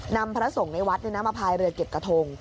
นำพระทรงในวัดมาพายเรือเก็บกระทง